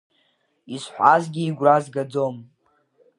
Изҳәазгьы игәра згаӡом.